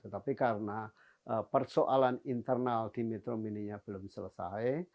tetapi karena persoalan internal di metro mini nya belum selesai